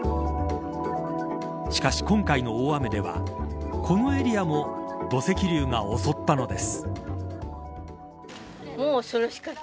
しかし、今回の大雨ではこのエリアも土石流が襲ったのです。